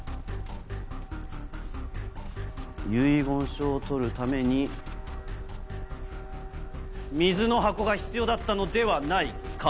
遺言書を取るために水の箱が必要だったのではないか？